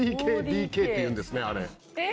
５ＤＫＤＫって言うんですねあれ。